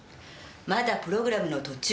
まだプログラムの途中。